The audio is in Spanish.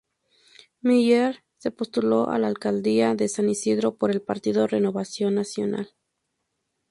Meier se postuló a la alcaldía de San Isidro por el partido Renovación Nacional.